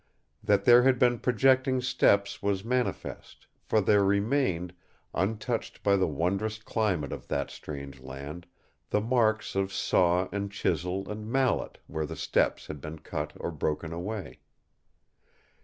That there had been projecting steps was manifest, for there remained, untouched by the wondrous climate of that strange land, the marks of saw and chisel and mallet where the steps had been cut or broken away.